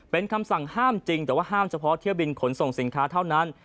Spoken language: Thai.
เป็นคำสั่งห้ามจริงแต่ว่าห้ามเฉพาะเที่ยวบินขนส่งสินค้าเท่านั้น